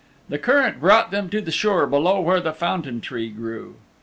The current brought them to the shore below where the Fountain Tree grew.